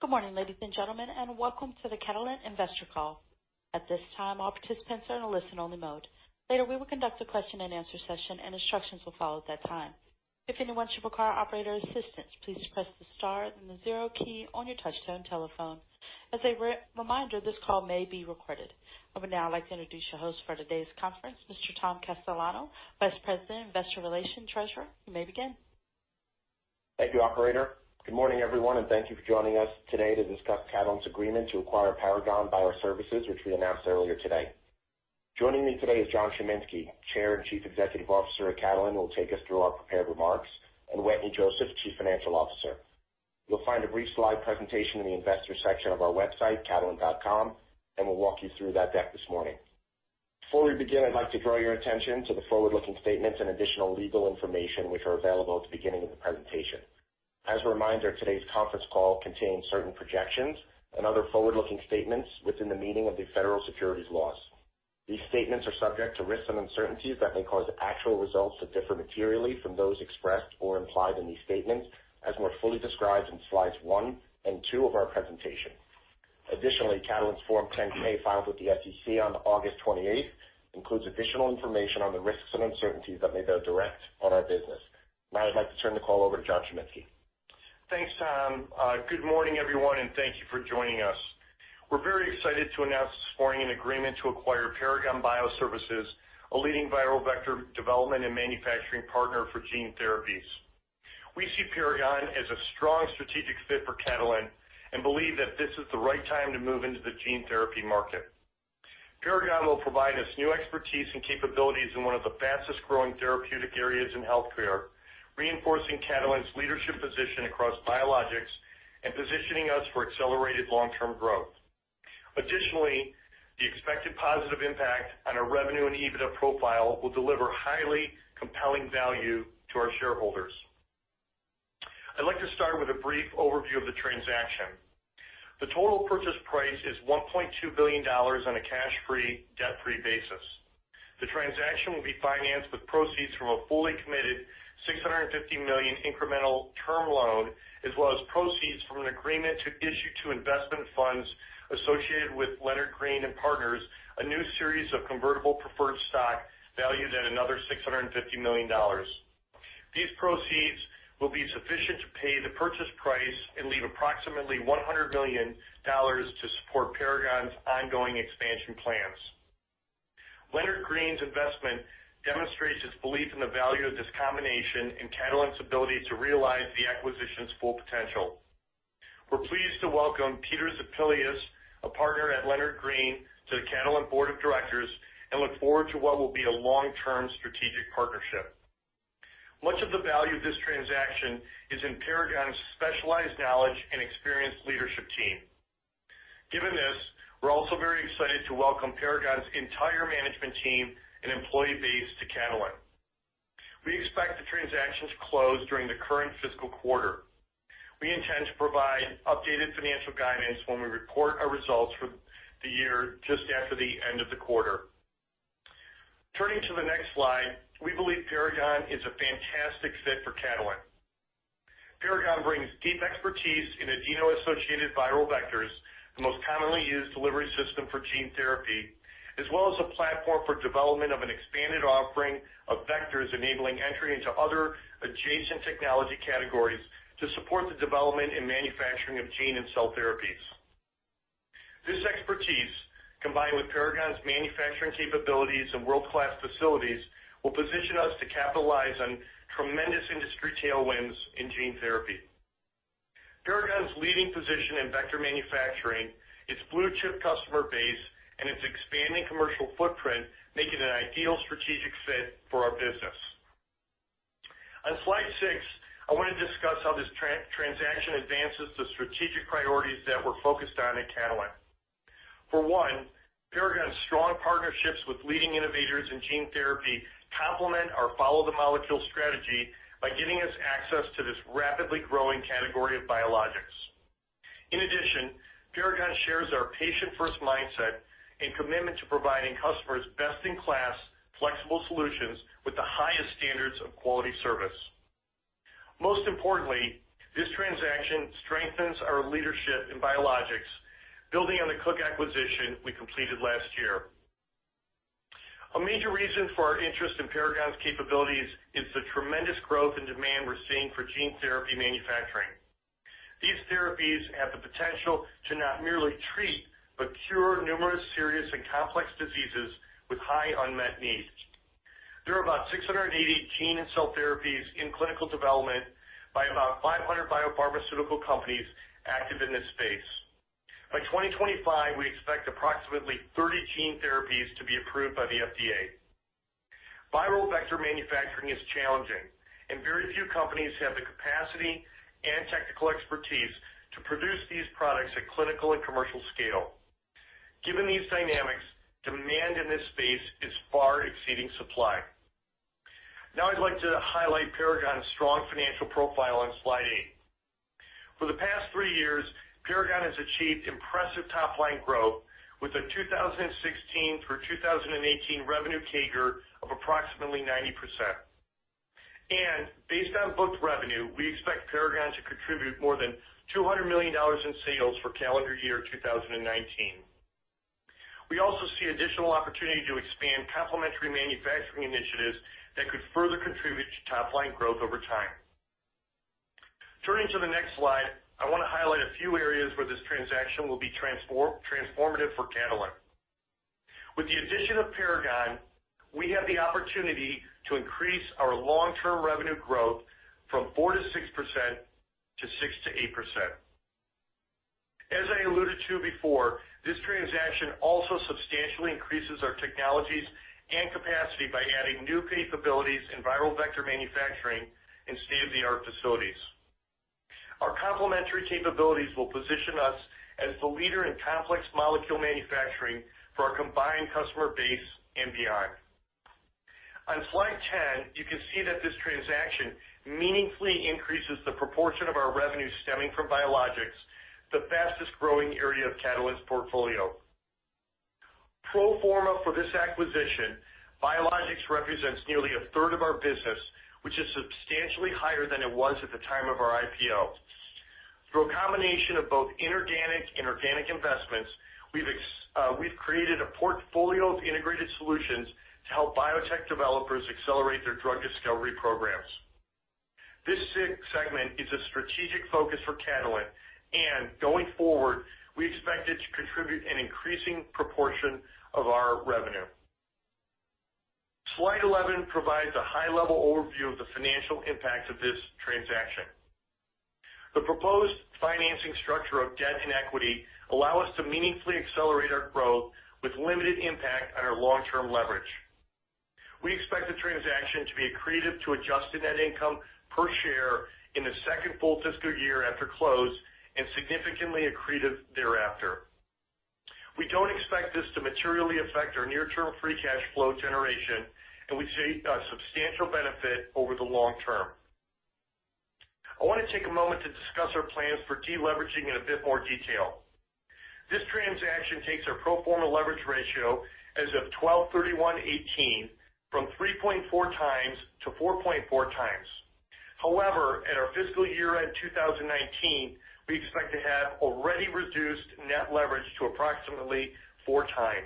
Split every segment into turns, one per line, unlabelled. Good morning, ladies and gentlemen, and welcome to the Catalent Investor call. At this time, all participants are in a listen-only mode. Later, we will conduct a question-and-answer session, and instructions will follow at that time. If anyone should require operator assistance, please press the star and the zero key on your touch-tone telephone. As a reminder, this call may be recorded. Now, I'd like to introduce your host for today's conference, Mr. Tom Castellano, Vice President, Investor Relations and Treasurer. You may begin.
Thank you, operator. Good morning, everyone, and thank you for joining us today to discuss Catalent's agreement to acquire Paragon Bioservices, which we announced earlier today. Joining me today is John Chiminski, Chair and Chief Executive Officer at Catalent, who will take us through our prepared remarks, and Wetteny Joseph, Chief Financial Officer. You'll find a brief slide presentation in the Investor Section of our website, catalent.com, and we'll walk you through that deck this morning. Before we begin, I'd like to draw your attention to the forward-looking statements and additional legal information which are available at the beginning of the presentation. As a reminder, today's conference call contains certain projections and other forward-looking statements within the meaning of the federal securities laws. These statements are subject to risks and uncertainties that may cause actual results that differ materially from those expressed or implied in these statements, as more fully described in slides one and two of our presentation. Additionally, Catalent's Form 10-K filed with the SEC on August 28th includes additional information on the risks and uncertainties that may bear direct on our business. Now, I'd like to turn the call over to John Chiminski.
Thanks, Tom. Good morning, everyone, and thank you for joining us. We're very excited to announce this morning an agreement to acquire Paragon Bioservices, a leading viral vector development and manufacturing partner for gene therapies. We see Paragon as a strong strategic fit for Catalent and believe that this is the right time to move into the gene therapy market. Paragon will provide us new expertise and capabilities in one of the fastest-growing therapeutic areas in healthcare, reinforcing Catalent's leadership position across biologics and positioning us for accelerated long-term growth. Additionally, the expected positive impact on our revenue and EBITDA profile will deliver highly compelling value to our shareholders. I'd like to start with a brief overview of the transaction. The total purchase price is $1.2 billion on a cash-free, debt-free basis. The transaction will be financed with proceeds from a fully committed $650 million incremental term loan, as well as proceeds from an agreement to issue to investment funds associated with Leonard Green & Partners, a new series of convertible preferred stock valued at another $650 million. These proceeds will be sufficient to pay the purchase price and leave approximately $100 million to support Paragon's ongoing expansion plans. Leonard Green's investment demonstrates its belief in the value of this combination and Catalent's ability to realize the acquisition's full potential. We're pleased to welcome Peter Zippelius, a partner at Leonard Green, to the Catalent Board of Directors and look forward to what will be a long-term strategic partnership. Much of the value of this transaction is in Paragon's specialized knowledge and experienced leadership team. Given this, we're also very excited to welcome Paragon's entire management team and employee base to Catalent. We expect the transaction to close during the current fiscal quarter. We intend to provide updated financial guidance when we report our results for the year just after the end of the quarter. Turning to the next slide, we believe Paragon is a fantastic fit for Catalent. Paragon brings deep expertise in Adeno-associated viral vectors, the most commonly used delivery system for gene therapy, as well as a platform for development of an expanded offering of vectors enabling entry into other adjacent technology categories to support the development and manufacturing of gene and cell therapies. This expertise, combined with Paragon's manufacturing capabilities and world-class facilities, will position us to capitalize on tremendous industry tailwinds in gene therapy. Paragon's leading position in vector manufacturing, its blue-chip customer base, and its expanding commercial footprint make it an ideal strategic fit for our business. On slide six, I want to discuss how this transaction advances the strategic priorities that we're focused on at Catalent. For one, Paragon's strong partnerships with leading innovators in gene therapy complement our follow-the-molecule strategy by giving us access to this rapidly growing category of biologics. In addition, Paragon shares our patient-first mindset and commitment to providing customers best-in-class flexible solutions with the highest standards of quality service. Most importantly, this transaction strengthens our leadership in biologics, building on the Cook acquisition we completed last year. A major reason for our interest in Paragon's capabilities is the tremendous growth in demand we're seeing for gene therapy manufacturing. These therapies have the potential to not merely treat but cure numerous serious and complex diseases with high unmet needs. There are about 680 gene and cell therapies in clinical development by about 500 biopharmaceutical companies active in this space. By 2025, we expect approximately 30 gene therapies to be approved by the FDA. Viral vector manufacturing is challenging, and very few companies have the capacity and technical expertise to produce these products at clinical and commercial scale. Given these dynamics, demand in this space is far exceeding supply. Now, I'd like to highlight Paragon's strong financial profile on slide eight. For the past three years, Paragon has achieved impressive top-line growth with a 2016 through 2018 revenue CAGR of approximately 90%. And based on booked revenue, we expect Paragon to contribute more than $200 million in sales for calendar year 2019. We also see additional opportunity to expand complementary manufacturing initiatives that could further contribute to top-line growth over time. Turning to the next slide, I want to highlight a few areas where this transaction will be transformative for Catalent. With the addition of Paragon, we have the opportunity to increase our long-term revenue growth from 4%-6% to 6%-8%. As I alluded to before, this transaction also substantially increases our technologies and capacity by adding new capabilities in viral vector manufacturing and state-of-the-art facilities. Our complementary capabilities will position us as the leader in complex molecule manufacturing for our combined customer base and beyond. On slide 10, you can see that this transaction meaningfully increases the proportion of our revenue stemming from biologics, the fastest-growing area of Catalent's portfolio. Pro forma for this acquisition, biologics represents nearly a third of our business, which is substantially higher than it was at the time of our IPO. Through a combination of both inorganic and organic investments, we've created a portfolio of integrated solutions to help biotech developers accelerate their drug discovery programs. This segment is a strategic focus for Catalent, and going forward, we expect it to contribute an increasing proportion of our revenue. Slide 11 provides a high-level overview of the financial impact of this transaction. The proposed financing structure of debt and equity allows us to meaningfully accelerate our growth with limited impact on our long-term leverage. We expect the transaction to be accretive to adjusted net income per share in the second full fiscal year after close and significantly accretive thereafter. We don't expect this to materially affect our near-term free cash flow generation, and we see a substantial benefit over the long term. I want to take a moment to discuss our plans for deleveraging in a bit more detail. This transaction takes our pro forma leverage ratio as of 12/31/2018 from 3.4x to 4.4x However, at our fiscal year-end 2019, we expect to have already reduced net leverage to approximately 4x.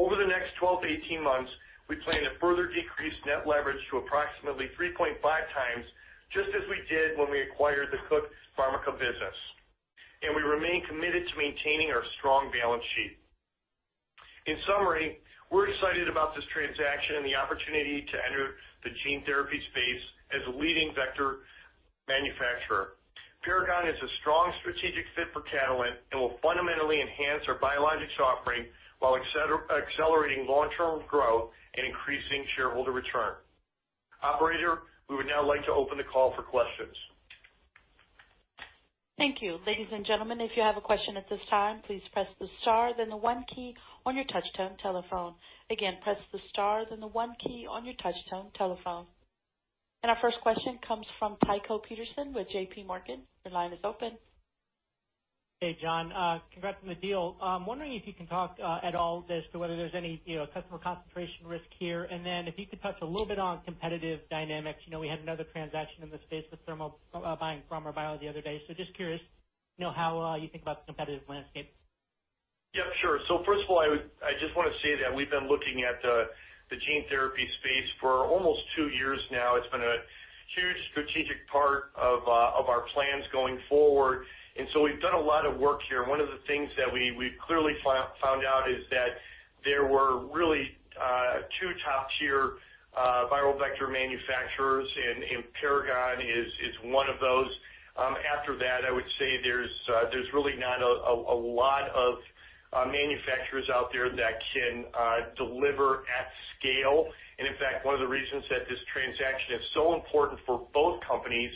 Over the next 12-18 months, we plan to further decrease net leverage to approximately 3.5x, just as we did when we acquired the Cook PharmIca business. And we remain committed to maintaining our strong balance sheet. In summary, we're excited about this transaction and the opportunity to enter the gene therapy space as a leading vector manufacturer. Paragon is a strong strategic fit for Catalent and will fundamentally enhance our biologics offering while accelerating long-term growth and increasing shareholder return. Operator, we would now like to open the call for questions.
Thank you. Ladies and gentlemen, if you have a question at this time, please press the star, then the one key on your touch-tone telephone. Again, press the star, then the one key on your touch-tone telephone. And our first question comes from Tycho Peterson with JPMorgan. Your line is open.
Hey, John. Congrats on the deal. I'm wondering if you can talk at all as to whether there's any customer concentration risk here. And then if you could touch a little bit on competitive dynamics. We had another transaction in the space with ThermoBio and Brammer Bio the other day. So just curious how you think about the competitive landscape.
Yep, sure. So first of all, I just want to say that we've been looking at the gene therapy space for almost two years now. It's been a huge strategic part of our plans going forward. And so we've done a lot of work here. One of the things that we've clearly found out is that there were really two top-tier viral vector manufacturers, and Paragon is one of those. After that, I would say there's really not a lot of manufacturers out there that can deliver at scale. And in fact, one of the reasons that this transaction is so important for both companies,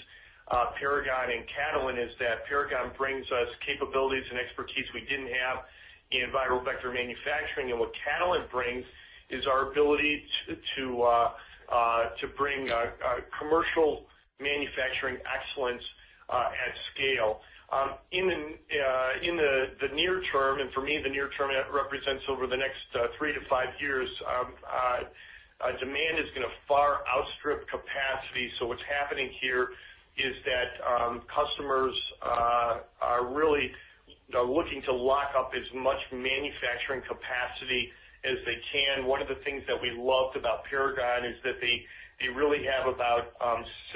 Paragon and Catalent, is that Paragon brings us capabilities and expertise we didn't have in viral vector manufacturing. And what Catalent brings is our ability to bring commercial manufacturing excellence at scale. In the near term, and for me, the near term represents over the next three to five years, demand is going to far outstrip capacity. So what's happening here is that customers are really looking to lock up as much manufacturing capacity as they can. One of the things that we loved about Paragon is that they really have about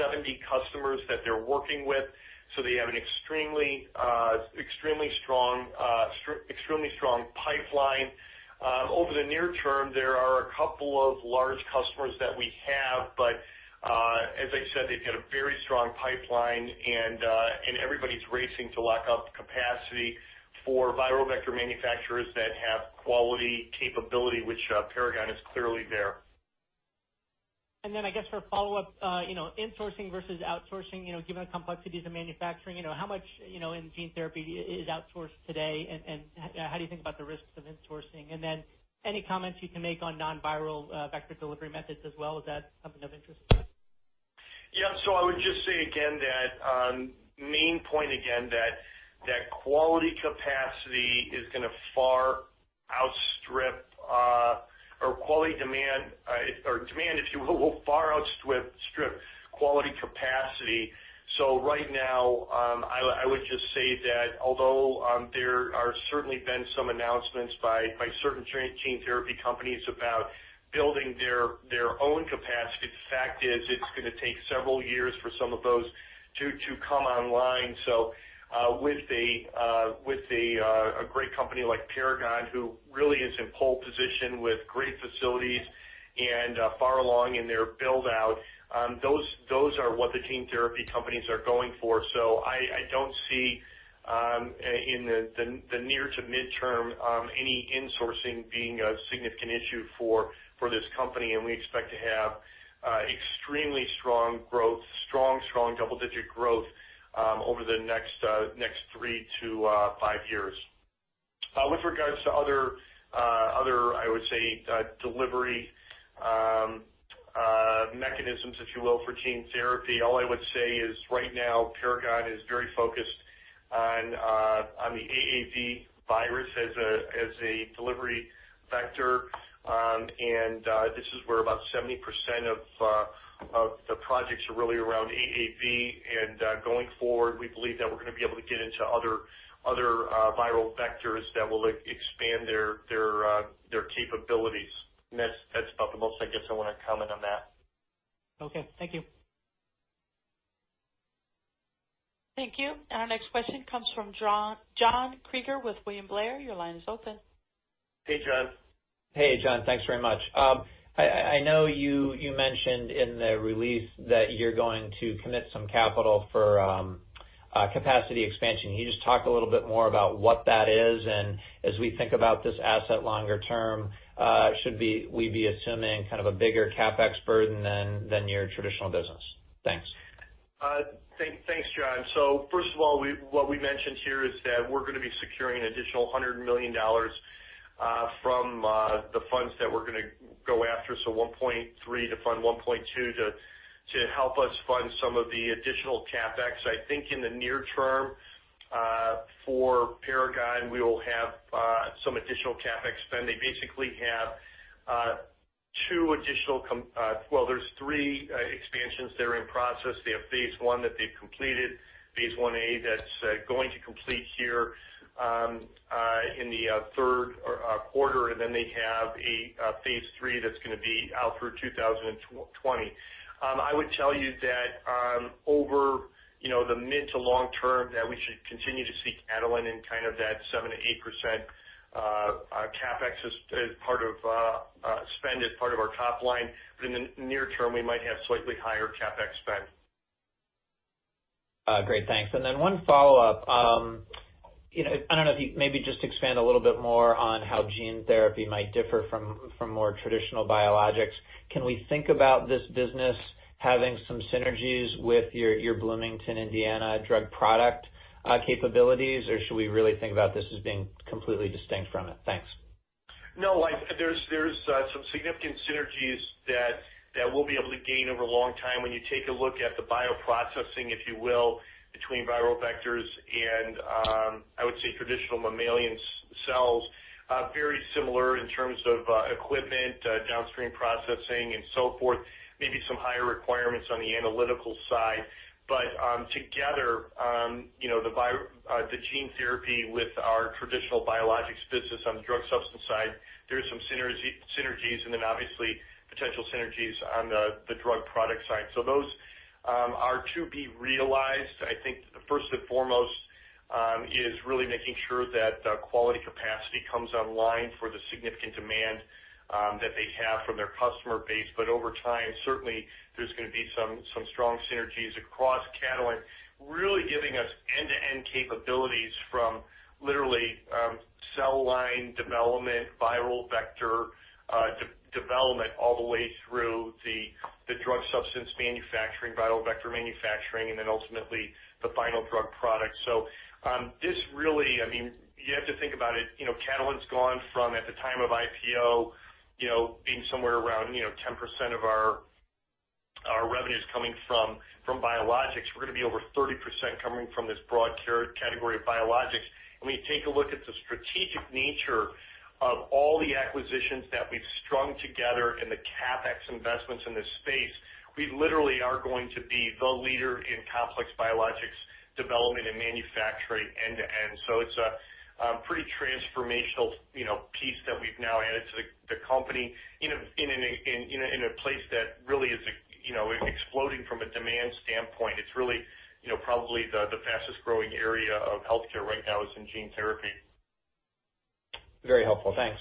70 customers that they're working with. So they have an extremely strong pipeline. Over the near term, there are a couple of large customers that we have, but as I said, they've got a very strong pipeline, and everybody's racing to lock up capacity for viral vector manufacturers that have quality capability, which Paragon is clearly there.
And then I guess for follow-up, insourcing versus outsourcing, given the complexities of manufacturing, how much in gene therapy is outsourced today, and how do you think about the risks of insourcing? And then any comments you can make on non-viral vector delivery methods as well? Is that something of interest?
Yeah. So I would just say again that main point again that quality capacity is going to far outstrip or quality demand, or demand, if you will, will far outstrip quality capacity. So right now, I would just say that although there are certainly been some announcements by certain gene therapy companies about building their own capacity, the fact is it's going to take several years for some of those to come online. So with a great company like Paragon, who really is in pole position with great facilities and far along in their build-out, those are what the gene therapy companies are going for. So I don't see in the near to mid-term any insourcing being a significant issue for this company. And we expect to have extremely strong growth, strong, strong double-digit growth over the next three to five years. With regards to other, I would say, delivery mechanisms, if you will, for gene therapy, all I would say is right now Paragon is very focused on the AAV virus as a delivery vector. And this is where about 70% of the projects are really around AAV. And going forward, we believe that we're going to be able to get into other viral vectors that will expand their capabilities. And that's about the most I guess I want to comment on that.
Okay. Thank you.
Thank you. And our next question comes from John Kreger with William Blair. Your line is open.
Hey, John.
Hey, John. Thanks very much. I know you mentioned in the release that you're going to commit some capital for capacity expansion. Can you just talk a little bit more about what that is? And as we think about this asset longer term, should we be assuming kind of a bigger CapEx burden than your traditional business? Thanks.
Thanks, John. So first of all, what we mentioned here is that we're going to be securing an additional $100 million from the funds that we're going to go after, so $1.3 to fund $1.2 to help us fund some of the additional CapEx. I think in the near term for Paragon, we will have some additional CapEx spend. They basically have two additional well, there's three expansions that are in process. They have Phase I that they've completed, Phase Ia that's going to complete here in the third quarter. And then they have a Phase III that's going to be out through 2020. I would tell you that over the mid to long term that we should continue to see Catalent in kind of that 7%-8% CapEx as part of spend, as part of our top line. But in the near term, we might have slightly higher CapEx spend.
Great. Thanks. And then one follow-up. I don't know if you maybe just expand a little bit more on how gene therapy might differ from more traditional biologics. Can we think about this business having some synergies with your Bloomington, Indiana drug product capabilities, or should we really think about this as being completely distinct from it? Thanks.
No. There's some significant synergies that we'll be able to gain over a long time when you take a look at the bioprocessing, if you will, between viral vectors and, I would say, traditional mammalian cells. Very similar in terms of equipment, downstream processing, and so forth. Maybe some higher requirements on the analytical side, but together, the gene therapy with our traditional biologics business on the drug substance side, there are some synergies, and then obviously potential synergies on the drug product side, so those are to be realized. I think the first and foremost is really making sure that quality capacity comes online for the significant demand that they have from their customer base. But over time, certainly, there's going to be some strong synergies across Catalent, really giving us end-to-end capabilities from literally cell line development, viral vector development, all the way through the drug substance manufacturing, viral vector manufacturing, and then ultimately the final drug product. So this really, I mean, you have to think about it. Catalent's gone from, at the time of IPO, being somewhere around 10% of our revenues coming from biologics. We're going to be over 30% coming from this broad category of biologics. And when you take a look at the strategic nature of all the acquisitions that we've strung together and the CapEx investments in this space, we literally are going to be the leader in complex biologics development and manufacturing end-to-end. So it's a pretty transformational piece that we've now added to the company in a place that really is exploding from a demand standpoint. It's really probably the fastest-growing area of healthcare right now is in gene therapy.
Very helpful. Thanks.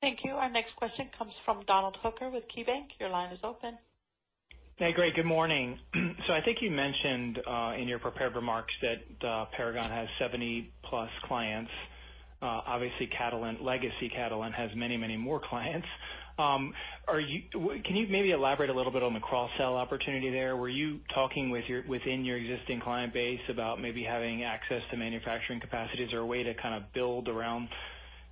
Thank you. Our next question comes from Donald Hooker with KeyBanc. Your line is open.
Hey, Greg. Good morning. So I think you mentioned in your prepared remarks that Paragon has 70+ clients. Obviously, Catalent, legacy Catalent, has many, many more clients. Can you maybe elaborate a little bit on the cross-sell opportunity there? Were you talking within your existing client base about maybe having access to manufacturing capacities or a way to kind of build around?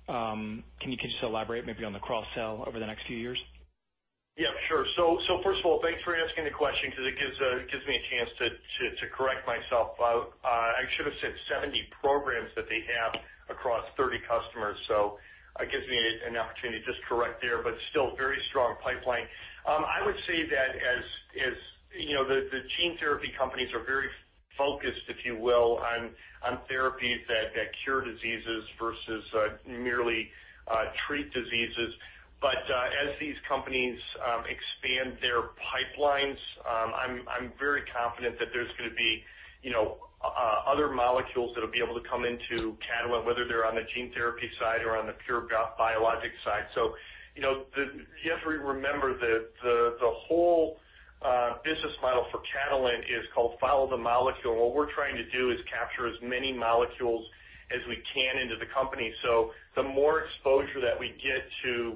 Can you just elaborate maybe on the cross-sell over the next few years?
Yep, sure. So first of all, thanks for asking the question because it gives me a chance to correct myself. I should have said 70 programs that they have across 30 customers. So it gives me an opportunity to just correct there, but still very strong pipeline. I would say that as the gene therapy companies are very focused, if you will, on therapies that cure diseases versus merely treat diseases. But as these companies expand their pipelines, I'm very confident that there's going to be other molecules that will be able to come into Catalent, whether they're on the gene therapy side or on the pure biologic side. So you have to remember the whole business model for Catalent is called follow the molecule. And what we're trying to do is capture as many molecules as we can into the company. So the more exposure that we get to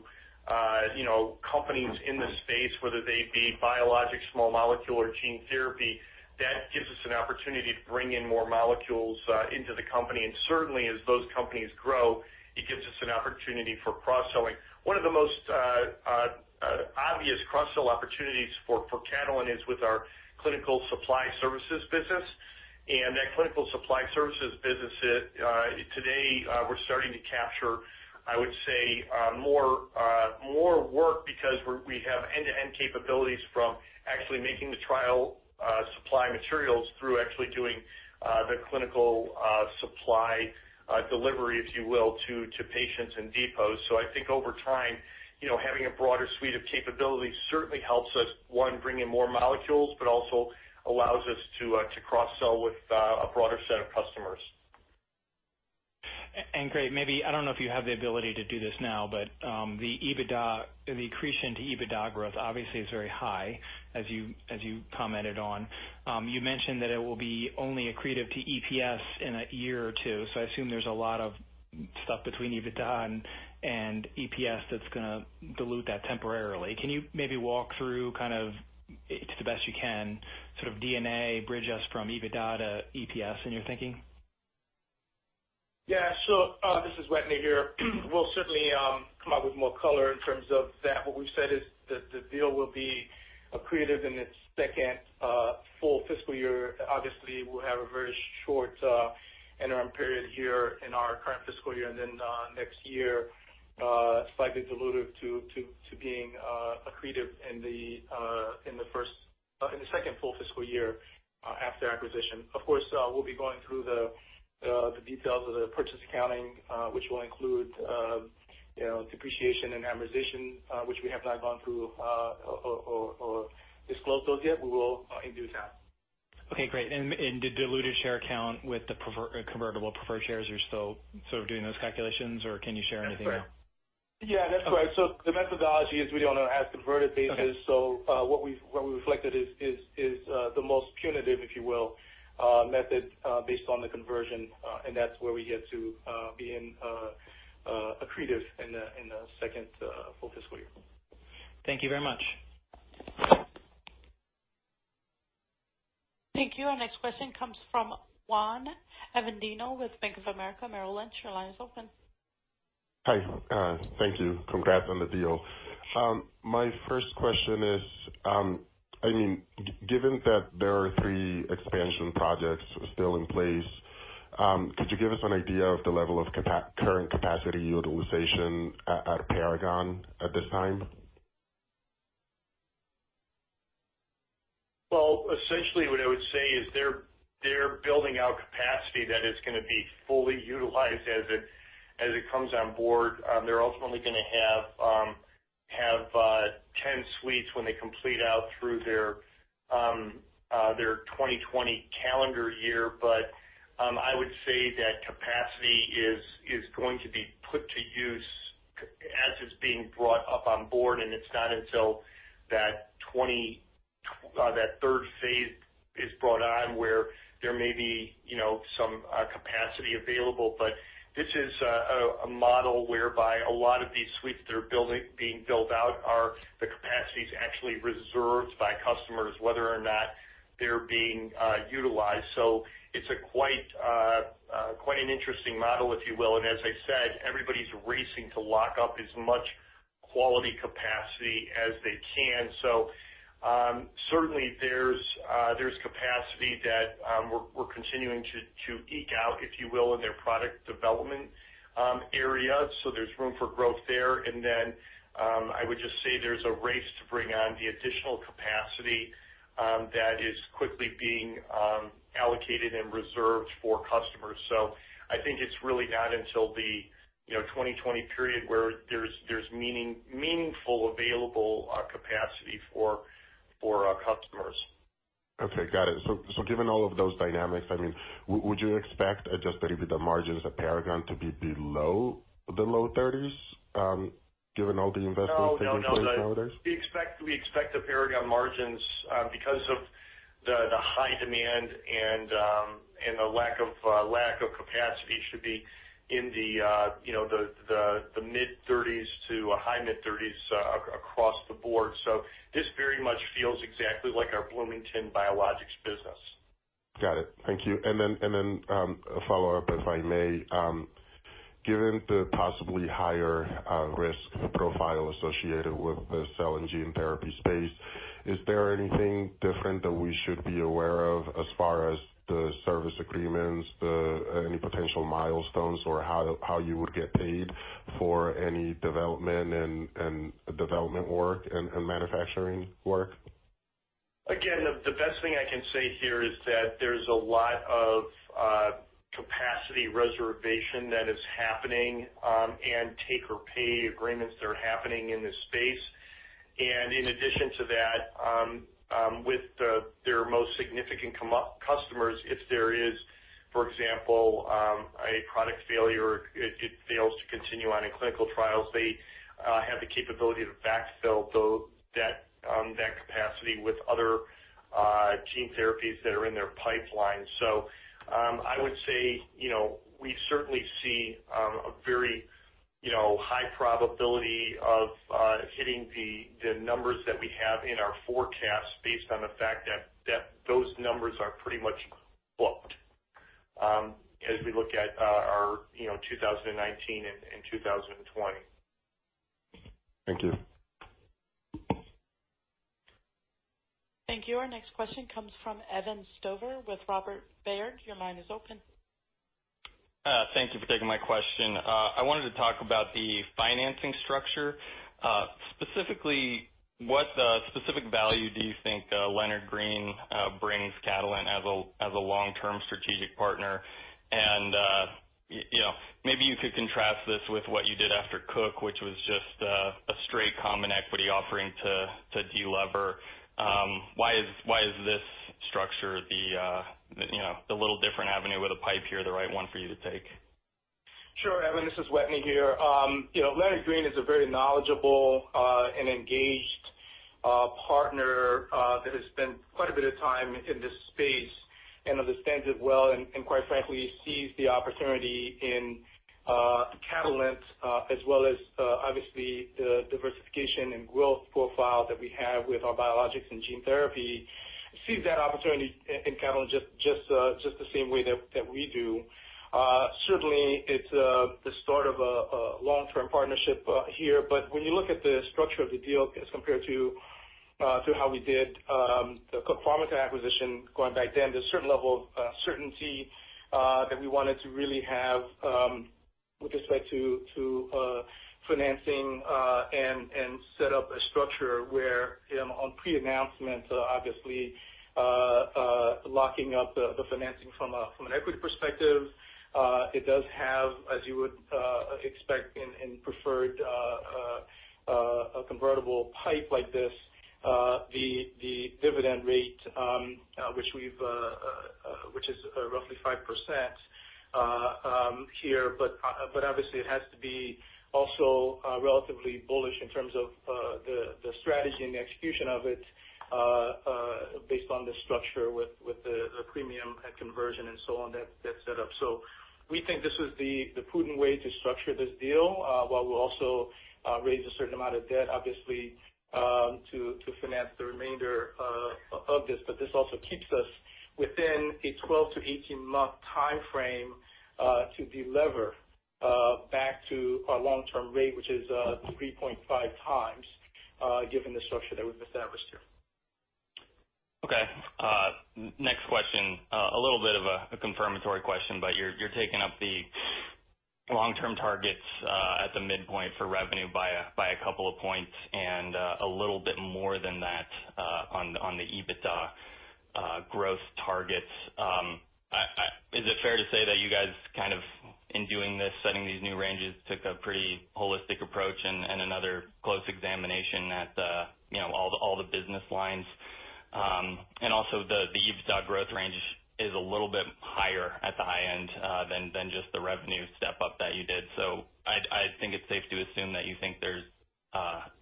companies in the space, whether they be biologic, small molecule, or gene therapy, that gives us an opportunity to bring in more molecules into the company. And certainly, as those companies grow, it gives us an opportunity for cross-selling. One of the most obvious cross-sell opportunities for Catalent is with our clinical supply services business. And that clinical supply services business, today, we're starting to capture, I would say, more work because we have end-to-end capabilities from actually making the trial supply materials through actually doing the clinical supply delivery, if you will, to patients and depots. So I think over time, having a broader suite of capabilities certainly helps us, one, bring in more molecules, but also allows us to cross-sell with a broader set of customers.
Greg, maybe I don't know if you have the ability to do this now, but the accretion to EBITDA growth obviously is very high, as you commented on. You mentioned that it will be only accretive to EPS in a year or two. So I assume there's a lot of stuff between EBITDA and EPS that's going to dilute that temporarily. Can you maybe walk through kind of, to the best you can, sort of the bridge us from EBITDA to EPS in your thinking?
Yeah. So this is Wetteny here. We'll certainly come up with more color in terms of that. What we've said is the deal will be accretive in its second full fiscal year. Obviously, we'll have a very short interim period here in our current fiscal year. And then next year, slightly diluted to being accretive in the second full fiscal year after acquisition. Of course, we'll be going through the details of the purchase accounting, which will include depreciation and amortization, which we have not gone through or disclosed those yet. We will in due time.
Okay. Great. And the diluted share account with the convertible preferred shares, are you still sort of doing those calculations, or can you share anything else?
Yeah. That's right. So the methodology is we don't want to add converted basis. So what we reflected is the most punitive, if you will, method based on the conversion. And that's where we get to be accretive in the second full fiscal year.
Thank you very much.
Thank you. Our next question comes from Juan Avendano with Bank of America Merrill Lynch. Your line is open.
Hi. Thank you. Congrats on the deal. My first question is, I mean, given that there are three expansion projects still in place, could you give us an idea of the level of current capacity utilization at Paragon at this time?
Essentially, what I would say is they're building out capacity that is going to be fully utilized as it comes on board. They're ultimately going to have 10 suites when they complete out through their 2020 calendar year. But I would say that capacity is going to be put to use as it's being brought up on board. And it's not until that third phase is brought on where there may be some capacity available. But this is a model whereby a lot of these suites that are being built out are the capacities actually reserved by customers, whether or not they're being utilized. So it's quite an interesting model, if you will. And as I said, everybody's racing to lock up as much quality capacity as they can. So certainly, there's capacity that we're continuing to eke out, if you will, in their product development area. There's room for growth there. Then I would just say there's a race to bring on the additional capacity that is quickly being allocated and reserved for customers. I think it's really not until the 2020 period where there's meaningful available capacity for customers.
Okay. Got it. So given all of those dynamics, I mean, would you expect adjusted EBITDA margins at Paragon to be below the low 30%s, given all the investments taking place nowadays?
Oh, absolutely. We expect the Paragon margins, because of the high demand and the lack of capacity, should be in the mid-30%s to a high mid-30%s across the board. So this very much feels exactly like our Bloomington biologics business.
Got it. Thank you. And then a follow-up, if I may. Given the possibly higher risk profile associated with the cell and gene therapy space, is there anything different that we should be aware of as far as the service agreements, any potential milestones, or how you would get paid for any development work and manufacturing work?
Again, the best thing I can say here is that there's a lot of capacity reservation that is happening and take-or-pay agreements that are happening in this space, and in addition to that, with their most significant customers, if there is, for example, a product failure, it fails to continue on in clinical trials, they have the capability to backfill that capacity with other gene therapies that are in their pipeline, so I would say we certainly see a very high probability of hitting the numbers that we have in our forecast based on the fact that those numbers are pretty much booked as we look at our 2019 and 2020.
Thank you.
Thank you. Our next question comes from Evan Stover with Robert Baird. Your line is open.
Thank you for taking my question. I wanted to talk about the financing structure. Specifically, what specific value do you think Leonard Green brings Catalent as a long-term strategic partner? And maybe you could contrast this with what you did after Cook, which was just a straight common equity offering to delever. Why is this structure a little different avenue with a PIPE here, the right one for you to take?
Sure. Evan, this is Wetteny here. Leonard Green is a very knowledgeable and engaged partner that has spent quite a bit of time in this space and understands it well. And quite frankly, he sees the opportunity in Catalent, as well as obviously the diversification and growth profile that we have with our biologics and gene therapy. He sees that opportunity in Catalent just the same way that we do. Certainly, it's the start of a long-term partnership here. But when you look at the structure of the deal as compared to how we did the Cook Pharmica acquisition going back then, there's a certain level of certainty that we wanted to really have with respect to financing and set up a structure where, on pre-announcement, obviously, locking up the financing from an equity perspective. It does have, as you would expect in a preferred and convertible PIPE like this, the dividend rate, which is roughly 5% here. But obviously, it has to be also relatively bullish in terms of the strategy and the execution of it based on the structure with the premium and conversion and so on that's set up. So we think this was the prudent way to structure this deal while we also raise a certain amount of debt, obviously, to finance the remainder of this. But this also keeps us within a 12-18-month timeframe to delever back to our long-term rate, which is 3.5x given the structure that we've established here.
Okay. Next question. A little bit of a confirmatory question, but you're taking up the long-term targets at the midpoint for revenue by a couple of points and a little bit more than that on the EBITDA growth targets. Is it fair to say that you guys kind of, in doing this, setting these new ranges, took a pretty holistic approach and another close examination at all the business lines, and also, the EBITDA growth range is a little bit higher at the high end than just the revenue step-up that you did, so I think it's safe to assume that you think there's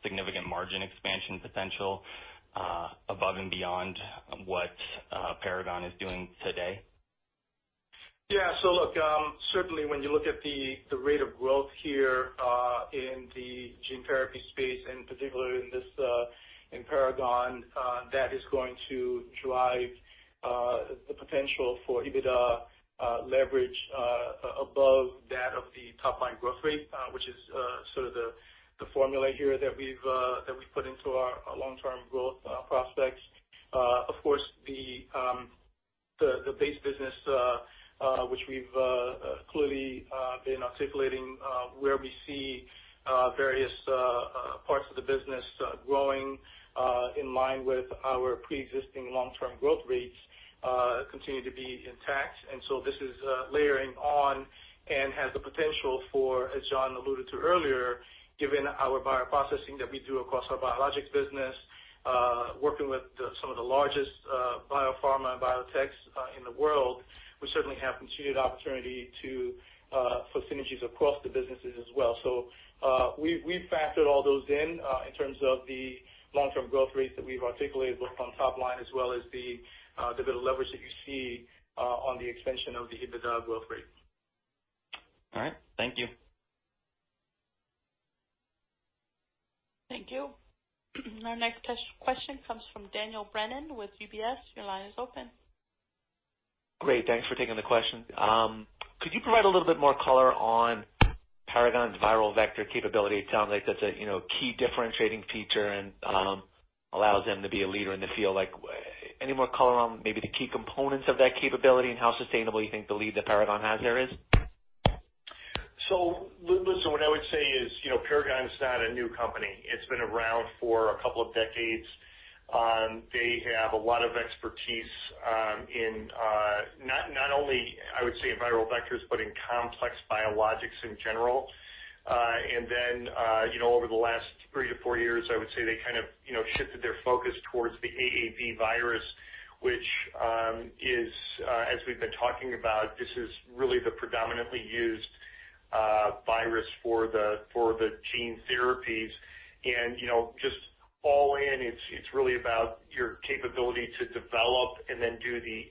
significant margin expansion potential above and beyond what Paragon is doing today?
Yeah. So look, certainly, when you look at the rate of growth here in the gene therapy space, and particularly in Paragon, that is going to drive the potential for EBITDA leverage above that of the top-line growth rate, which is sort of the formula here that we've put into our long-term growth prospects. Of course, the base business, which we've clearly been articulating, where we see various parts of the business growing in line with our pre-existing long-term growth rates continue to be intact. And so this is layering on and has the potential for, as John alluded to earlier, given our bioprocessing that we do across our biologics business, working with some of the largest biopharma and biotechs in the world, we certainly have continued opportunity for synergies across the businesses as well. So we've factored all those in terms of the long-term growth rates that we've articulated both on top line as well as the dividend leverage that you see on the extension of the EBITDA growth rate.
All right. Thank you.
Thank you. Our next question comes from Daniel Brennan with UBS. Your line is open.
Great. Thanks for taking the question. Could you provide a little bit more color on Paragon's viral vector capability? It sounds like that's a key differentiating feature and allows them to be a leader in the field. Any more color on maybe the key components of that capability and how sustainable you think the lead that Paragon has there is?
So what I would say is Paragon is not a new company. It's been around for a couple of decades. They have a lot of expertise in not only, I would say, viral vectors, but in complex biologics in general. And then over the last three-to-four years, I would say they kind of shifted their focus towards the AAV virus, which is, as we've been talking about, this is really the predominantly used virus for the gene therapies. And just all in, it's really about your capability to develop and then do the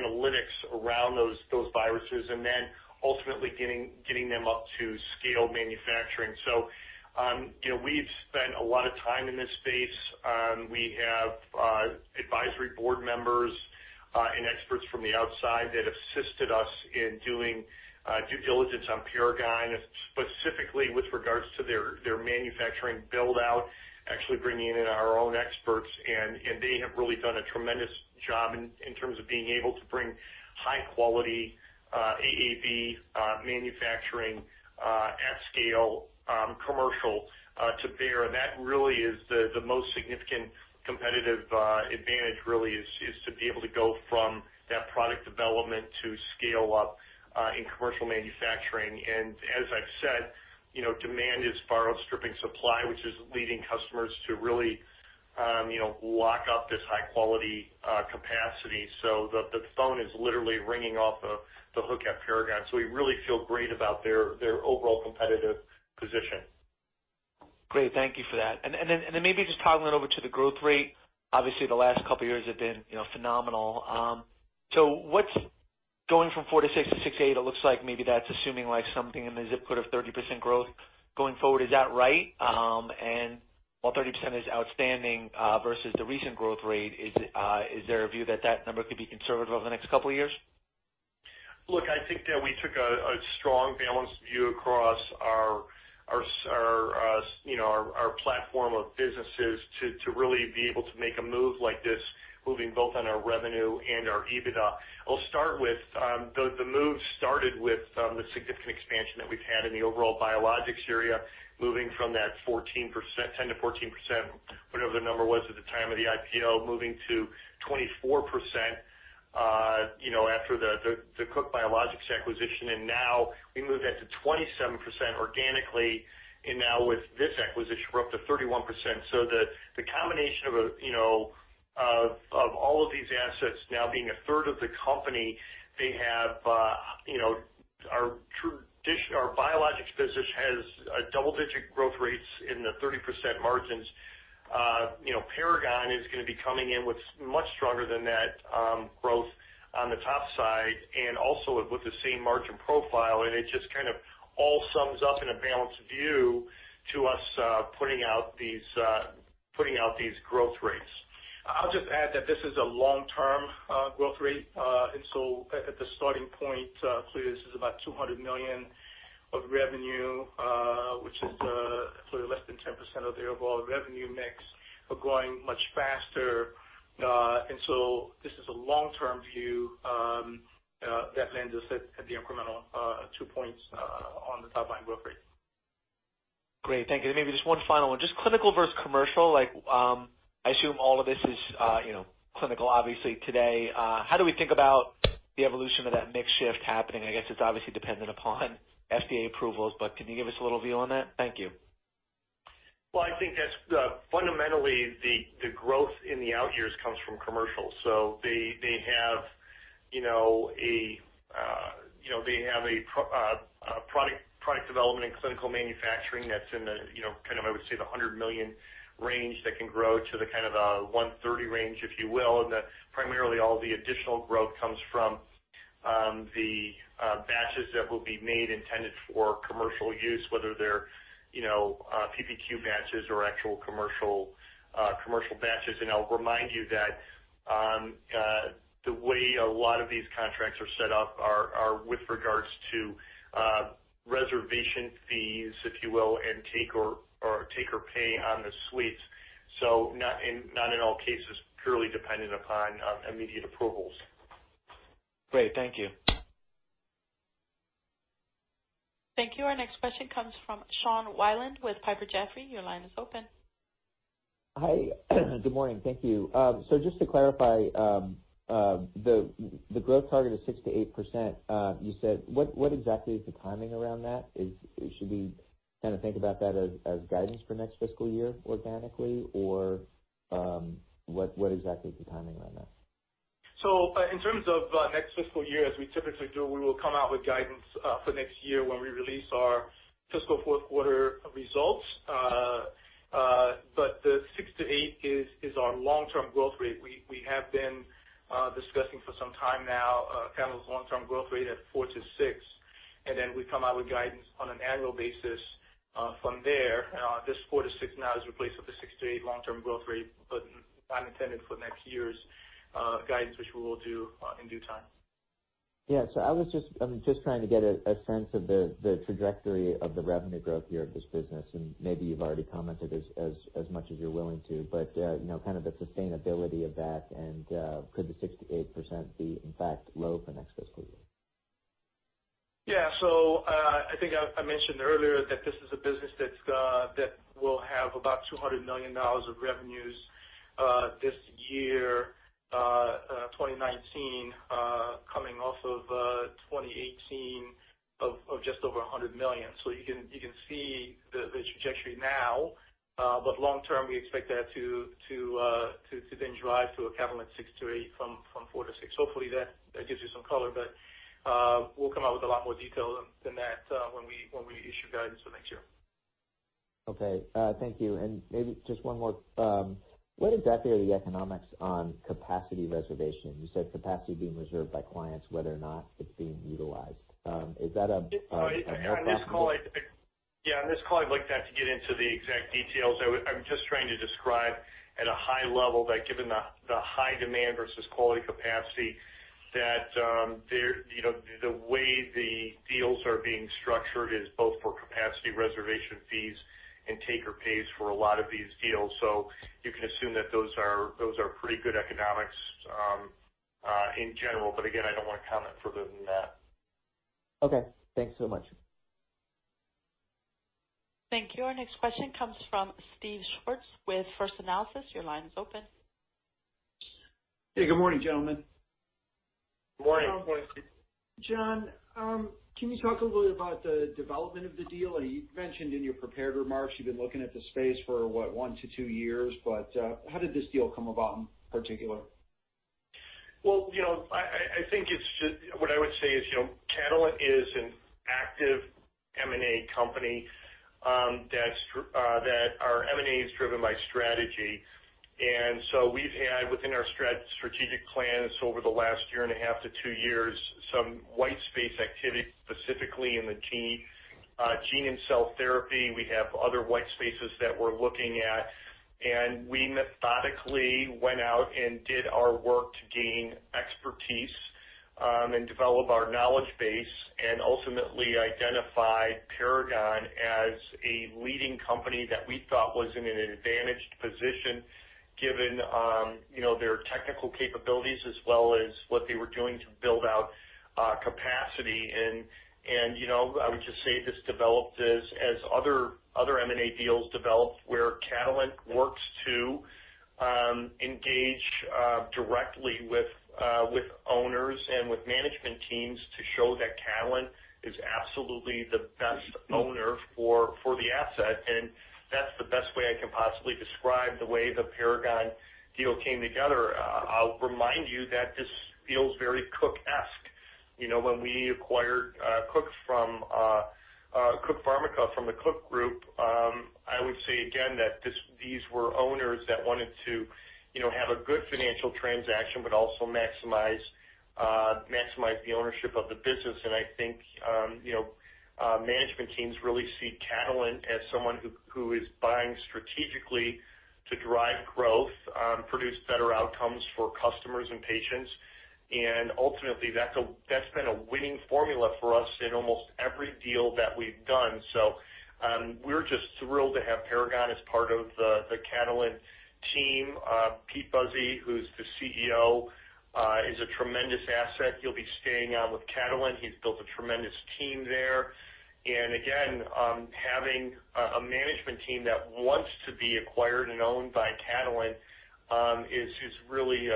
analytics around those viruses and then ultimately getting them up to scale manufacturing. So we've spent a lot of time in this space. We have advisory board members and experts from the outside that have assisted us in doing due diligence on Paragon, specifically with regards to their manufacturing build-out, actually bringing in our own experts. And they have really done a tremendous job in terms of being able to bring high-quality AAV manufacturing at scale commercial to bear. And that really is the most significant competitive advantage, really, is to be able to go from that product development to scale up in commercial manufacturing. And as I've said, demand is far outstripping supply, which is leading customers to really lock up this high-quality capacity. So the phone is literally ringing off the hook at Paragon. So we really feel great about their overall competitive position.
Great. Thank you for that. And then maybe just toggling over to the growth rate. Obviously, the last couple of years have been phenomenal. So going from 4 %-6% to 6%-8,% it looks like maybe that's assuming something in the ZIP code of 30% growth going forward. Is that right? And while 30% is outstanding versus the recent growth rate, is there a view that that number could be conservative over the next couple of years?
Look, I think that we took a strong balanced view across our platform of businesses to really be able to make a move like this, moving both on our revenue and our EBITDA. I'll start with the move started with the significant expansion that we've had in the overall biologics area, moving from that 10%-14%, whatever the number was at the time of the IPO, moving to 24% after the Cook Biologics acquisition. And now we moved that to 27% organically. And now with this acquisition, we're up to 31%. So the combination of all of these assets, now being a third of the company, they have our biologics business has double-digit growth rates in the 30% margins. Paragon is going to be coming in with much stronger than that growth on the top side and also with the same margin profile. It just kind of all sums up in a balanced view to us putting out these growth rates. I'll just add that this is a long-term growth rate. So at the starting point, clearly, this is about $200 million of revenue, which is clearly less than 10% of their overall revenue mix. We're growing much faster. So this is a long-term view that lends us at the incremental two points on the top-line growth rate.
Great. Thank you. Maybe just one final one. Just clinical versus commercial. I assume all of this is clinical, obviously, today. How do we think about the evolution of that mix shift happening? I guess it's obviously dependent upon FDA approvals, but can you give us a little view on that? Thank you.
I think that fundamentally, the growth in the out years comes from commercial. They have a product development and clinical manufacturing that's in the kind of, I would say, the $100 million range that can grow to the kind of $130 million range, if you will. Primarily, all the additional growth comes from the batches that will be made intended for commercial use, whether they're PPQ batches or actual commercial batches. I'll remind you that the way a lot of these contracts are set up are with regards to reservation fees, if you will, and take-or-pay on the suites. Not in all cases, purely dependent upon immediate approvals.
Great. Thank you.
Thank you. Our next question comes from Sean Wieland with Piper Jaffray. Your line is open.
Hi. Good morning. Thank you. So just to clarify, the growth target is 6%-8%. You said what exactly is the timing around that? Should we kind of think about that as guidance for next fiscal year organically, or what exactly is the timing around that?
So in terms of next fiscal year, as we typically do, we will come out with guidance for next year when we release our fiscal fourth-quarter results. But the 6%-8% is our long-term growth rate. We have been discussing for some time now kind of the long-term growth rate at 4%-6%. And then we come out with guidance on an annual basis from there. This 4%-6% now is replaced with the 6%-8% long-term growth rate, but not intended for next year's guidance, which we will do in due time.
Yeah. So I was just trying to get a sense of the trajectory of the revenue growth here of this business. And maybe you've already commented as much as you're willing to, but kind of the sustainability of that. And could the 6%-8% be, in fact, low for next fiscal year?
Yeah. So I think I mentioned earlier that this is a business that will have about $200 million of revenues this year, 2019, coming off of 2018 of just over $100 million. So you can see the trajectory now. But long term, we expect that to then drive to a Catalent 6%-8% from 4%-6%. Hopefully, that gives you some color. But we'll come out with a lot more detail than that when we issue guidance for next year.
Okay. Thank you. And maybe just one more. What exactly are the economics on capacity reservation? You said capacity being reserved by clients, whether or not it's being utilized. Is that an airplane?
Yeah. On this call, I'd like to get into the exact details. I'm just trying to describe at a high level that given the high demand versus quality capacity, that the way the deals are being structured is both for capacity reservation fees and take-or-pays for a lot of these deals. So you can assume that those are pretty good economics in general. But again, I don't want to comment further than that.
Okay. Thanks so much.
Thank you. Our next question comes from Steve Schwartz with First Analysis. Your line is open.
Hey. Good morning, gentlemen.
Good morning.
John, can you talk a little bit about the development of the deal? You mentioned in your prepared remarks you've been looking at the space for, what, one to two years. But how did this deal come about in particular?
Well, I think what I would say is Catalent is an active M&A company that our M&A is driven by strategy. And so we've had, within our strategic plans over the last year and a half to two years, some white space activity, specifically in the gene and cell therapy. We have other white spaces that we're looking at. And we methodically went out and did our work to gain expertise and develop our knowledge base and ultimately identified Paragon as a leading company that we thought was in an advantaged position given their technical capabilities as well as what they were doing to build out capacity. And I would just say this developed as other M&A deals developed where Catalent works to engage directly with owners and with management teams to show that Catalent is absolutely the best owner for the asset. And that's the best way I can possibly describe the way the Paragon deal came together. I'll remind you that this feels very Cook-esque. When we acquired Cook from Cook Pharmica from the Cook Group, I would say again that these were owners that wanted to have a good financial transaction but also maximize the ownership of the business. And I think management teams really see Catalent as someone who is buying strategically to drive growth, produce better outcomes for customers and patients. And ultimately, that's been a winning formula for us in almost every deal that we've done. So we're just thrilled to have Paragon as part of the Catalent team. Pete Buzy, who's the CEO, is a tremendous asset. He'll be staying on with Catalent. He's built a tremendous team there. And again, having a management team that wants to be acquired and owned by Catalent is really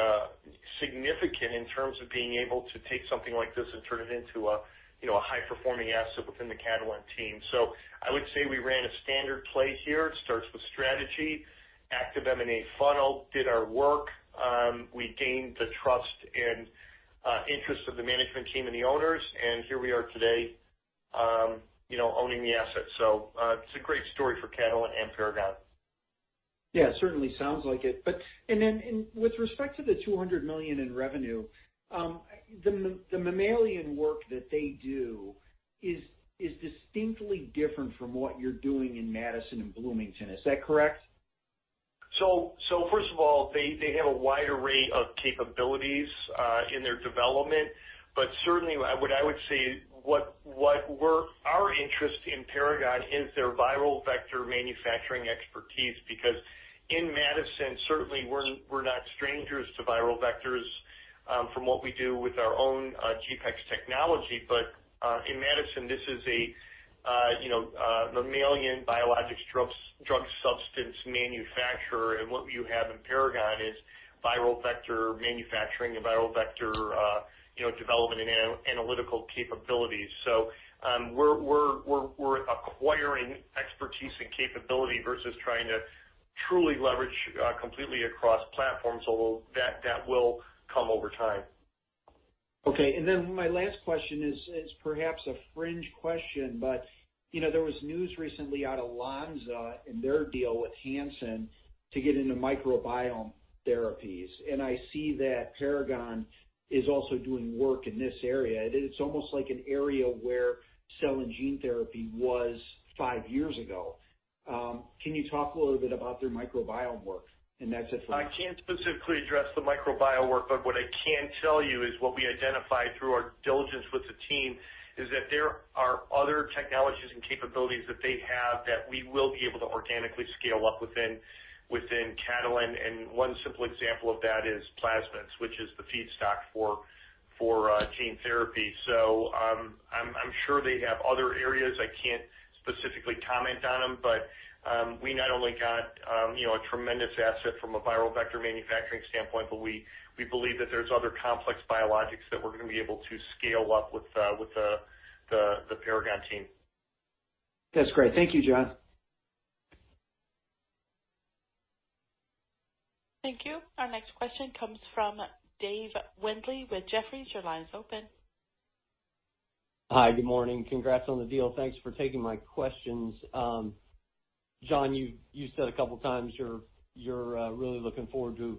significant in terms of being able to take something like this and turn it into a high-performing asset within the Catalent team. So I would say we ran a standard play here. It starts with strategy, active M&A funnel, did our work. We gained the trust and interest of the management team and the owners. And here we are today owning the asset. So it's a great story for Catalent and Paragon.
Yeah. Certainly sounds like it. And then with respect to the $200 million in revenue, the mammalian work that they do is distinctly different from what you're doing in Madison and Bloomington. Is that correct?
So first of all, they have a wide array of capabilities in their development. But certainly, what I would say, what our interest in Paragon is their viral vector manufacturing expertise because in Madison, certainly, we're not strangers to viral vectors from what we do with our own GPEx technology. But in Madison, this is a mammalian biologics drug substance manufacturer. And what you have in Paragon is viral vector manufacturing and viral vector development and analytical capabilities. So we're acquiring expertise and capability versus trying to truly leverage completely across platforms, although that will come over time.
Okay. And then my last question is perhaps a fringe question, but there was news recently out of Lonza and their deal with Hansen to get into microbiome therapies. And I see that Paragon is also doing work in this area. It's almost like an area where cell and gene therapy was five years ago. Can you talk a little bit about their microbiome work? And that's it for me.
I can't specifically address the microbiome work, but what I can tell you is what we identified through our diligence with the team is that there are other technologies and capabilities that they have that we will be able to organically scale up within Catalent. And one simple example of that is plasmids, which is the feedstock for gene therapy. So I'm sure they have other areas. I can't specifically comment on them. But we not only got a tremendous asset from a viral vector manufacturing standpoint, but we believe that there's other complex biologics that we're going to be able to scale up with the Paragon team.
That's great. Thank you, John.
Thank you. Our next question comes from Dave Windley with Jefferies. Your line is open.
Hi. Good morning. Congrats on the deal. Thanks for taking my questions. John, you said a couple of times you're really looking forward to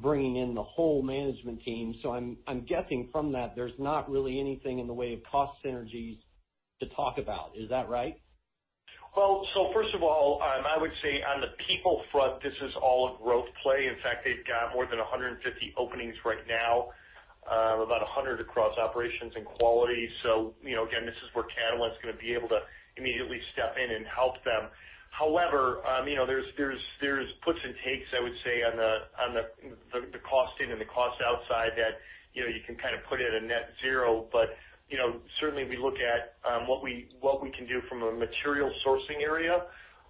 bringing in the whole management team. So I'm guessing from that, there's not really anything in the way of cost synergies to talk about. Is that right?
Well, so first of all, I would say on the people front, this is all a growth play. In fact, they've got more than 150 openings right now, about 100 across operations and quality. So again, this is where Catalent's going to be able to immediately step in and help them. However, there's puts and takes, I would say, on the cost in and the cost outside that you can kind of put at a net zero. But certainly, we look at what we can do from a material sourcing area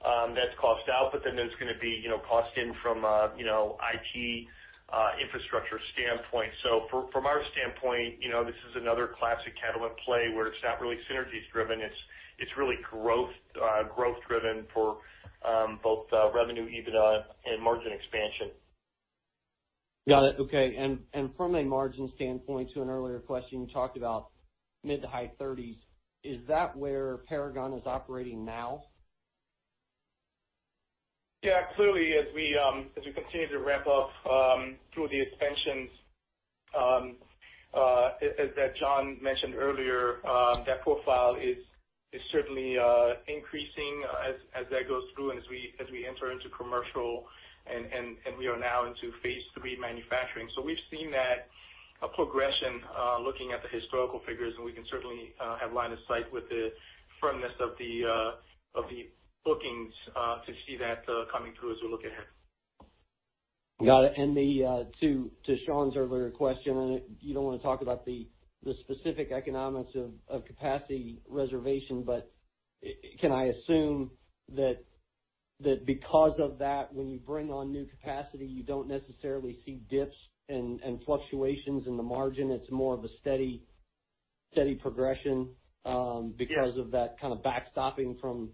that's cost out. But then there's going to be cost in from an IT infrastructure standpoint. So from our standpoint, this is another classic Catalent play where it's not really synergies driven. It's really growth driven for both revenue, EBITDA, and margin expansion.
Got it. Okay. And from a margin standpoint, to an earlier question, you talked about mid- to high 30%s. Is that where Paragon is operating now?
Yeah. Clearly, as we continue to ramp up through the expansions, as John mentioned earlier, that profile is certainly increasing as that goes through and as we enter into commercial, and we are now into Phase III manufacturing. So we've seen that progression looking at the historical figures. And we can certainly have line of sight with the firmness of the bookings to see that coming through as we look ahead.
Got it. And to Sean's earlier question, you don't want to talk about the specific economics of capacity reservation, but can I assume that because of that, when you bring on new capacity, you don't necessarily see dips and fluctuations in the margin? It's more of a steady progression because of that kind of backstopping from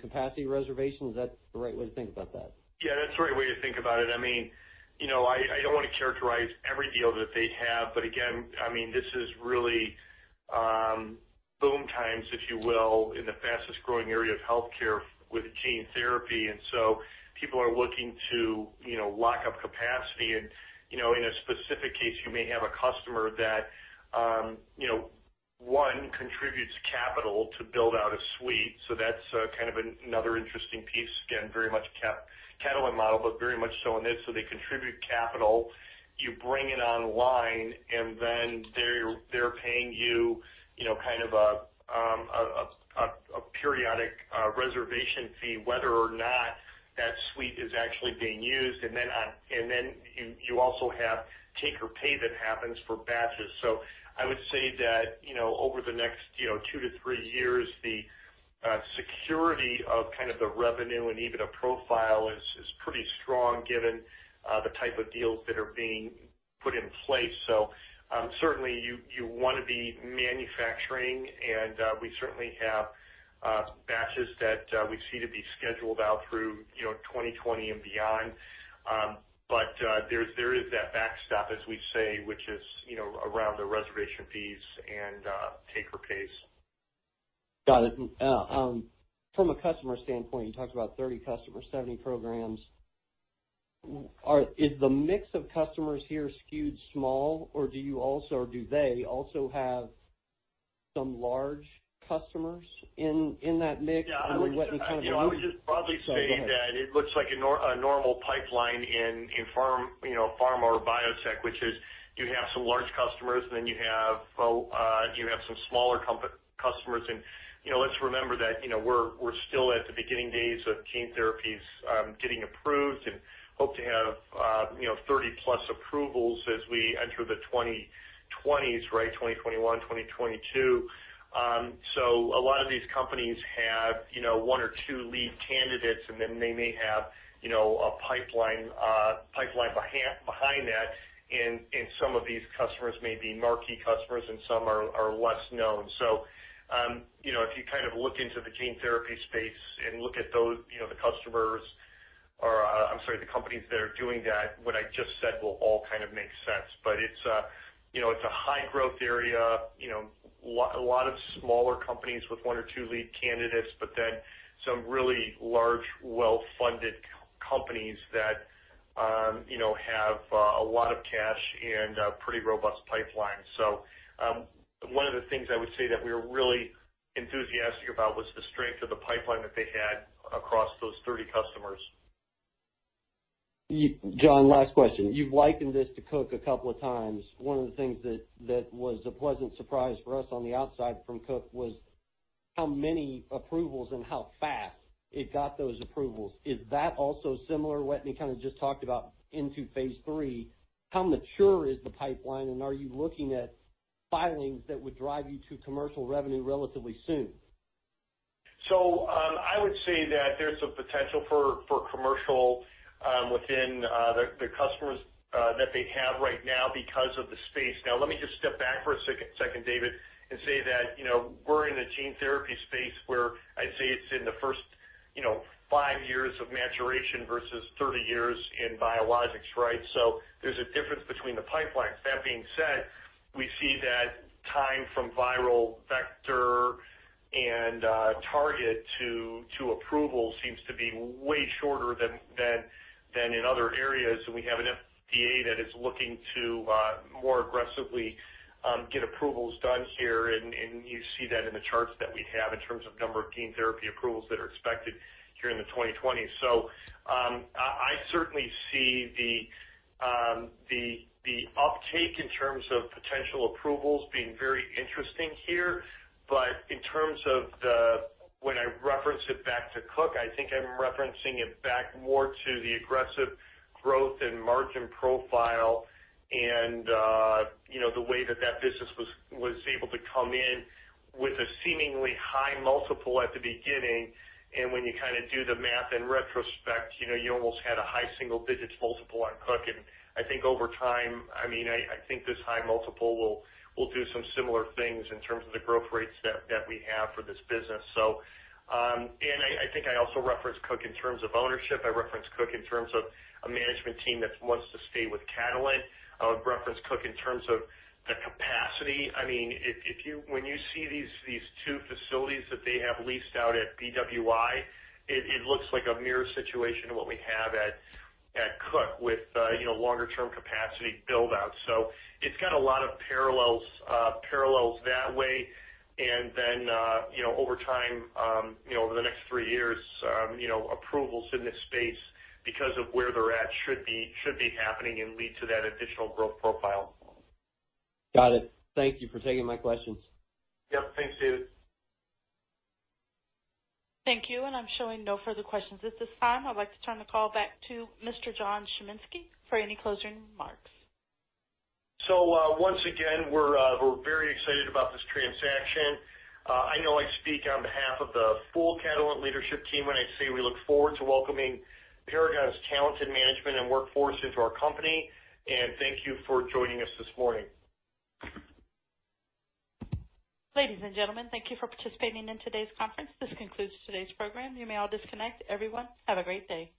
capacity reservations. Is that the right way to think about that?
Yeah. That's the right way to think about it. I mean, I don't want to characterize every deal that they have. But again, I mean, this is really boom times, if you will, in the fastest growing area of healthcare with gene therapy. And so people are looking to lock up capacity. And in a specific case, you may have a customer that, one, contributes capital to build out a suite. So that's kind of another interesting piece. Again, very much Catalent model, but very much so in this. So they contribute capital. You bring it online, and then they're paying you kind of a periodic reservation fee, whether or not that suite is actually being used. And then you also have take-or-pay that happens for batches. So I would say that over the next two to three years, the security of kind of the revenue and EBITDA profile is pretty strong given the type of deals that are being put in place. So certainly, you want to be manufacturing. And we certainly have batches that we see to be scheduled out through 2020 and beyond. But there is that backstop, as we say, which is around the reservation fees and take-or-pays.
Got it. From a customer standpoint, you talked about 30 customers, 70 programs. Is the mix of customers here skewed small, or do you also or do they also have some large customers in that mix? I mean, what kind of logic?
Yeah. I would just broadly say that it looks like a normal pipeline in pharma or biotech, which is you have some large customers, and then you have some smaller customers. And let's remember that we're still at the beginning days of gene therapies getting approved and hope to have 30+ approvals as we enter the 2020s, right? 2021, 2022. So a lot of these companies have one or two lead candidates, and then they may have a pipeline behind that. And some of these customers may be marquee customers, and some are less known. So if you kind of look into the gene therapy space and look at the customers or, I'm sorry, the companies that are doing that, what I just said will all kind of make sense. But it's a high-growth area, a lot of smaller companies with one or two lead candidates, but then some really large, well-funded companies that have a lot of cash and a pretty robust pipeline. So one of the things I would say that we were really enthusiastic about was the strength of the pipeline that they had across those 30 customers.
John, last question. You've likened this to Cook a couple of times. One of the things that was a pleasant surprise for us on the outside from Cook was how many approvals and how fast it got those approvals. Is that also similar? What we kind of just talked about into Phase III, how mature is the pipeline? And are you looking at filings that would drive you to commercial revenue relatively soon?
So I would say that there's some potential for commercial within the customers that they have right now because of the space. Now, let me just step back for a second, David, and say that we're in a gene therapy space where I'd say it's in the first five years of maturation versus 30 years in biologics, right? So there's a difference between the pipelines. That being said, we see that time from viral vector and target to approval seems to be way shorter than in other areas. And we have an FDA that is looking to more aggressively get approvals done here. And you see that in the charts that we have in terms of number of gene therapy approvals that are expected here in the 2020s. So I certainly see the uptake in terms of potential approvals being very interesting here. But in terms of when I reference it back to Cook, I think I'm referencing it back more to the aggressive growth and margin profile and the way that that business was able to come in with a seemingly high multiple at the beginning. And when you kind of do the math in retrospect, you almost had a high single-digit multiple on Cook. And I think over time, I mean, I think this high multiple will do some similar things in terms of the growth rates that we have for this business. And I think I also reference Cook in terms of ownership. I reference Cook in terms of a management team that wants to stay with Catalent. I would reference Cook in terms of the capacity. I mean, when you see these two facilities that they have leased out at BWI, it looks like a mirror situation to what we have at Cook with longer-term capacity build-out. So it's got a lot of parallels that way. And then over time, over the next three years, approvals in this space because of where they're at should be happening and lead to that additional growth profile.
Got it. Thank you for taking my questions.
Yep. Thanks, David.
Thank you. And I'm showing no further questions at this time. I'd like to turn the call back to Mr. John Chiminski for any closing remarks.
So once again, we're very excited about this transaction. I know I speak on behalf of the full Catalent leadership team when I say we look forward to welcoming Paragon's talented management and workforce into our company. And thank you for joining us this morning.
Ladies and gentlemen, thank you for participating in today's conference. This concludes today's program. You may all disconnect. Everyone, have a great day.